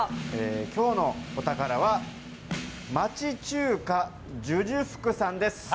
今日のお宝は町中華寿々福さんです。